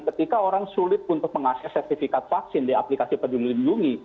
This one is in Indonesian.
ketika orang sulit untuk mengakses sertifikat vaksin di aplikasi peduli lindungi